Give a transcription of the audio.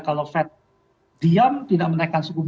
kalau fed diam tidak menaikkan suku bunga